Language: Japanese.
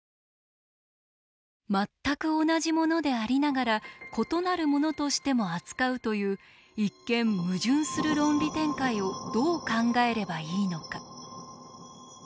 全く同じものでありながら異なるものとしても扱うという一見矛盾する論理展開をどう考えればいいのか。